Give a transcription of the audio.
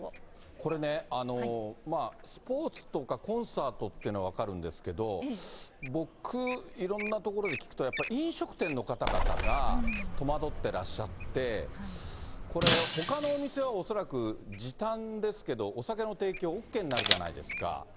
これね、スポーツとかコンサートっていうのは分かるんですけど、僕、いろんな所で聞くとやっぱり飲食店の方々が戸惑ってらっしゃって、これ、ほかのお店は恐らく時短ですけど、お酒の提供ＯＫになるじゃないですか。